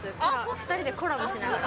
２人でコラボしながら。